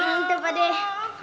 nanti pak d